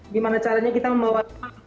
gimana caranya kita membawa